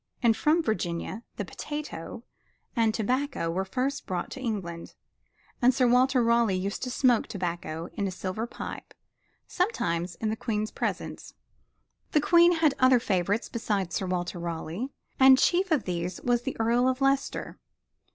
And from Virginia the potato and tobacco were first brought into England and Sir Walter Raleigh used to smoke tobacco in a silver pipe, sometimes in the Queen's presence. The Queen had other favorites beside Sir Walter Raleigh, and chief of these was the Earl of Leicester.